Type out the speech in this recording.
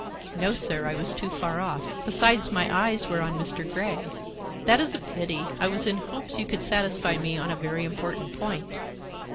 "No, sir; I was too far off; besides, my eyes were on Mr. Grey." "That is a pity. I was in hopes you could satisfy me on a very important point."